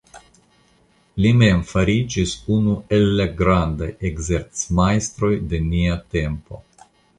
Li mem fariĝis unu el la grandaj ekzercmajstroj de nia tempo.